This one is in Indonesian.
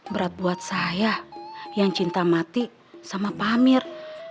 berat buat saya yang cinta mati sama pak amir